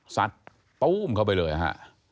ซัดตู้มเข้าไปเลยฮะ